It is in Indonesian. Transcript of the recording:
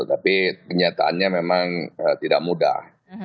tapi kenyataannya memang tidak mudah